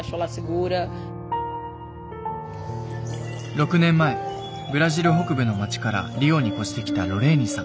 ６年前ブラジル北部の町からリオに越してきたロレーニさん。